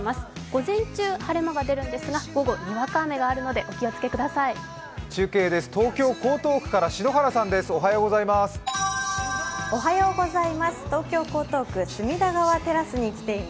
午前中、晴れ間が出るんですが午後にわか雨があるのでお気をつけください。